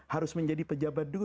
harus menjadi pejabat dulu